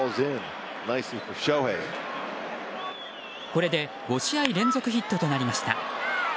これで５試合連続ヒットとなりました。